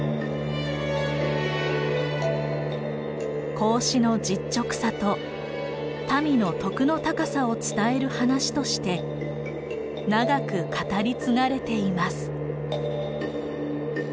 孔子の実直さと民の徳の高さを伝える話として長く語り継がれています。